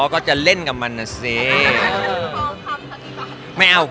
อ๋อก็จะเล่นกับอีกก่อน